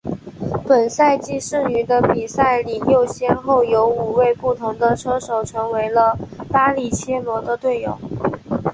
本赛季剩余的比赛里又先后有五位不同的车手成为了巴里切罗的队友。